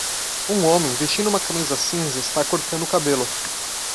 Um homem vestindo uma camisa cinza está cortando o cabelo.